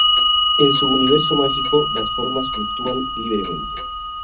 En su universo mágico las formas fluctúan libremente.